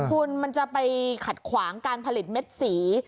คุณมันจะไปขัดขวางการผลิตเม็ดสี